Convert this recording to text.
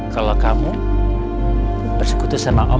kalau kamu bersekutu sama om